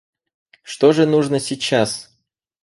Что же нужно сейчас?